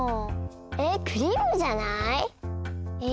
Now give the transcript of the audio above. えクリームじゃない？え？